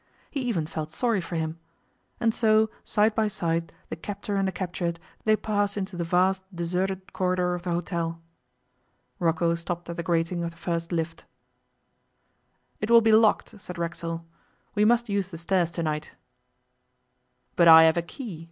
He even felt sorry for him. And so, side by side, the captor and the captured, they passed into the vast deserted corridor of the hotel. Rocco stopped at the grating of the first lift. 'It will be locked,' said Racksole. 'We must use the stairs to night.' 'But I have a key.